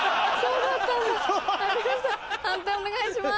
判定お願いします。